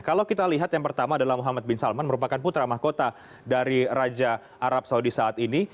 kalau kita lihat yang pertama adalah muhammad bin salman merupakan putra mahkota dari raja arab saudi saat ini